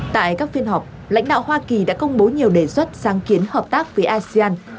tại các phiên họp lãnh đạo hoa kỳ đã công bố nhiều đề xuất sáng kiến hợp tác với asean